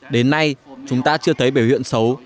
đến nay chúng ta chưa thấy biểu hiện xấu